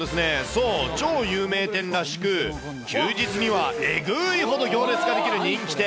そう、超有名店らしく、休日にはえぐーいほど行列が出来る人気店。